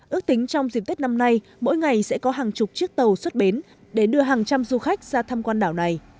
ước tính trong dịp tết năm nay mỗi ngày sẽ có hàng chục chiếc tàu xuất bến để đưa hàng trăm du khách ra thăm quan đảo này